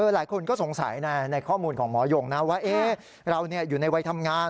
หลายคนก็สงสัยในข้อมูลของหมอยงนะว่าเราอยู่ในวัยทำงาน